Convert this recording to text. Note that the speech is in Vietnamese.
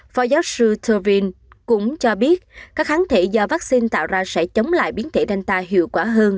phó giáo sư thevin cũng cho biết các kháng thể do vaccine tạo ra sẽ chống lại biến thể danta hiệu quả hơn